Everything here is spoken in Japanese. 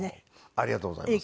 ありがとうございます。